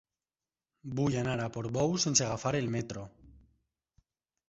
Vull anar a Portbou sense agafar el metro.